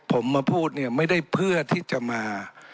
ผมมาพูดเนี่ยไม่ได้เพื่อที่จะมา